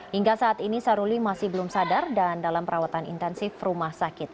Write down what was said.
hingga saat ini saruli masih belum sadar dan dalam perawatan intensif rumah sakit